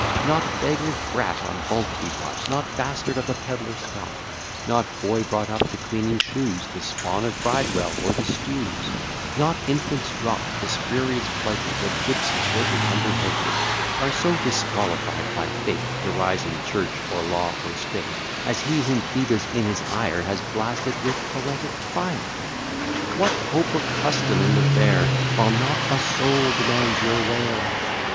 Not beggar's brat on bulk begot; Not bastard of a pedler Scot; Not boy brought up to cleaning shoes, The spawn of Bridewell or the stews; Not infants dropp'd, the spurious pledges Of gipsies litter'd under hedges; Are so disqualified by fate To rise in church, or law, or state, As he whom Phoebus in his ire Has blasted with poetic fire. What hope of custom in the fair, While not a soul demands your ware?